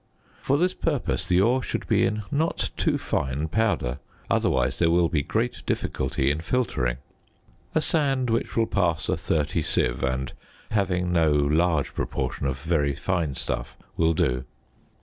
For this purpose the ore should be in not too fine powder, otherwise there will be great difficulty in filtering; a sand which will pass a 30 sieve and having no large proportion of very fine stuff will do.